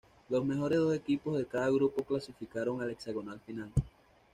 Los mejores dos equipos de cada grupo clasificaron al hexagonal final.